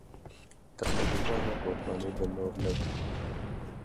د غریبانو قرباني به نور نه وي.